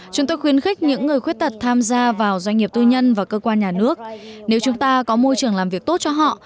chúng tôi khuyến khích những người khuyết tật tham gia vào doanh nghiệp tư nhân và cơ quan nhà nước nếu chúng ta có môi trường làm việc tốt cho họ